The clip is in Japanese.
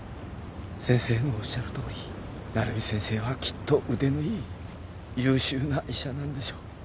先生のおっしゃるとおり鳴海先生はきっと腕のいい優秀な医者なんでしょう。